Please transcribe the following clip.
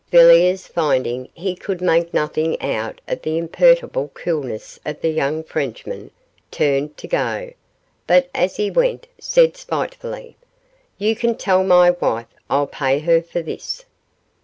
Villiers, finding he could make nothing out of the imperturbable coolness of the young Frenchman, turned to go, but as he went, said spitefully 'You can tell my wife I'll pay her for this.